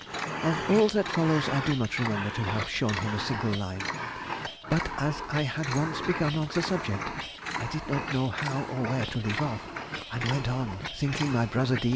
Of all that follows I do not remember to have shown him a single line. But as I had once begun the subject I did not know how or where to leave off, and went on, thinking my brother D.